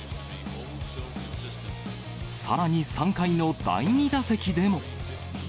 さらに３回の第２打席でも。